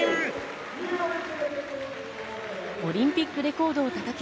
オリンピックレコード更新！